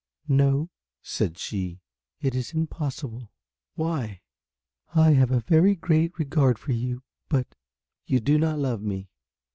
"No," said she, "it is impossible." "Why?" "I have a very great regard for you but " "You do not love me?"